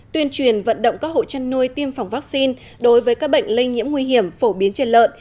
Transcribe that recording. tuyên truyền vận động các hộ chăn nuôi tiêm phòng vaccine đối với các bệnh lây nhiễm nguy hiểm phổ biến trên lợn